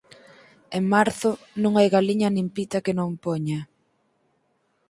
En marzo, non hai galiña nin pita que non poña